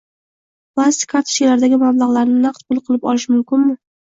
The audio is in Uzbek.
Plastik kartochkalardagi mablag‘larni naqd pul qilib olish mumkinmi?